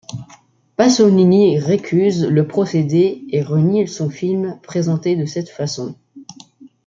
Pasolini récuse le procédé et renie son film présenté de cette façon.